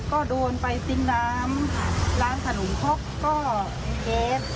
ก็โดนไปซิ่งน้ำล้างถนุมพกก็เก็บ